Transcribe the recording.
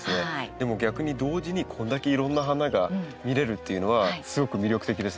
でも逆に同時にこれだけいろんな花が見れるっていうのはすごく魅力的ですよね。